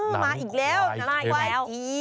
มาอีกแล้วน้ำควายเข้ม